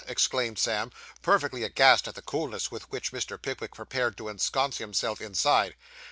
exclaimed Sam, perfectly aghast at the coolness with which Mr. Pickwick prepared to ensconce himself inside.